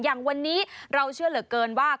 อย่างวันนี้เราเชื่อเหลือเกินว่า